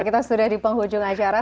kita sudah di penghujung acara